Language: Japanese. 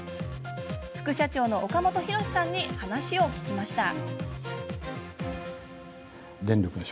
副社長の岡本浩さんに話を聞きました。